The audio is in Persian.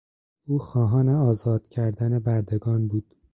او خواهان آزاد کردن بردگان بود.